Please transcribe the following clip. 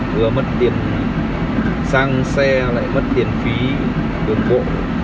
vừa mất tiền sang xe lại mất tiền phí đường bộ